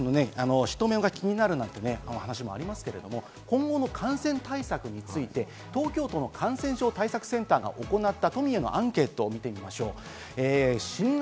いろんな人たちの目が気になるなんていう話もありますけれども、今後の感染対策について、東京都の感染症対策センターが行った都民へのアンケートを見てみましょう。